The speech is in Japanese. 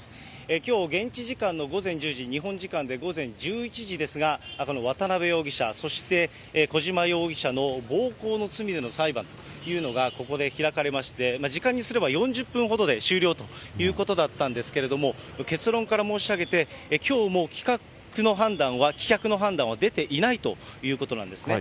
きょう、現地時間の午前１０時、日本時間で午前１１時ですが、この渡辺容疑者、そして小島容疑者の暴行の罪での裁判というのがここで開かれまして、時間にすれば４０分ほどで終了ということだったんですけれども、結論から申し上げて、きょうも棄却の判断は出ていないということなんですね。